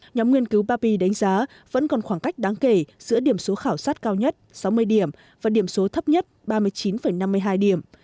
nhóm nghiên cứu papi đánh giá vẫn còn khoảng cách đáng kể giữa điểm số khảo sát cao nhất sáu mươi điểm và điểm số thấp nhất ba mươi chín năm mươi hai điểm